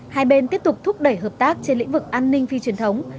hai bên tiếp tục thúc đẩy hợp tác trên lĩnh vực an ninh phi truyền thống